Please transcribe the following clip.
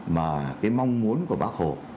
mà cái mong muốn của bác hồ